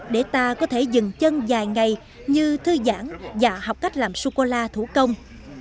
để ta có thể dừng chân vài ngày như thư giãn và học cách làm sô cô la thủ công